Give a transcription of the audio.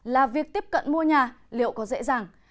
là việc tiếp cận mua nhà liệu có dễ dàng